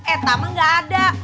eh tamang gak ada